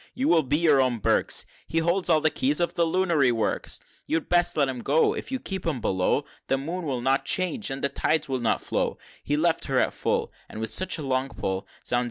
You will be your own Burkes He holds all the keys of the lunary works!" XLI. "You'd best let him go If you keep him below, The Moon will not change, and the tides will not flow; He left her at full, And with such a long pull, Zounds!